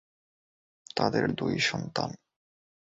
তাদের দুই সন্তান।